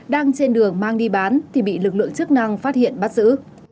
đang trên đường mang đi bán thì bị lực lượng chức năng phát hiện bắt giữ